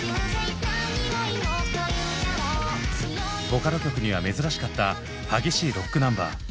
ボカロ曲には珍しかった激しいロックナンバー。